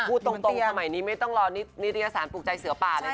พูดตรงสมัยนี้ไม่ต้องรอนิตยสารปลูกใจเสือป่าเลยค่ะ